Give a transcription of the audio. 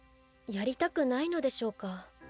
やりたくないのでしょうか。